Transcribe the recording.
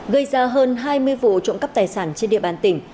gây ra hơn hai mươi vụ trộm cắp tài sản trên địa bàn tỉnh